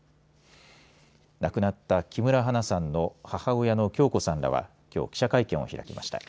亡くなった木村花さんの母親の響子さんらはきょう記者会見を開きました。